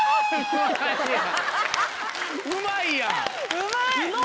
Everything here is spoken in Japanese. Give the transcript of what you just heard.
うまいやん！